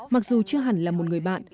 mặc dù chưa hẳn là một người bạn